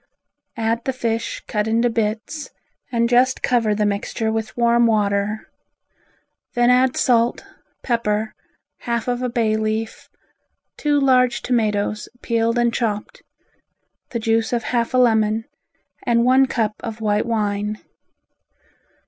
Add the fish cut into bits and just cover the mixture with warm water. Then add salt, pepper, half of a bay leaf, two large tomatoes, peeled and chopped, the juice of half a lemon and one cup of white wine.